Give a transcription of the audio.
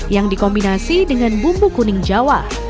yang dikombinasi dengan bumbu kuning jawa